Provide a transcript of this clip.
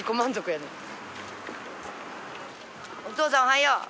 お父さんおはよう。